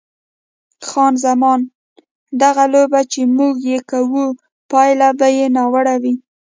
خان زمان: دغه لوبه چې موږ یې کوو پایله به یې ناوړه وي.